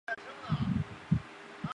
直隶辛卯乡试。